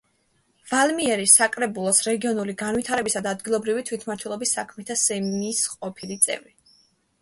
ვალმიერის საკრებულოს რეგიონული განვითარებისა და ადგილობრივი თვითმმართველობის საქმეთა სეიმის ყოფილი წევრი.